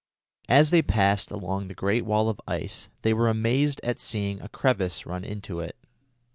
As they passed along the great wall of ice they were amazed at seeing a crevice run into it.